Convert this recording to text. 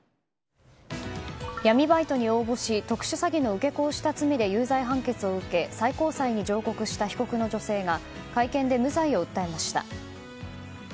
闇バイトに応募し特殊詐欺の受け子をした罪で有罪判決を受け最高裁に上告した被告の女性が会見で無罪を訴えました。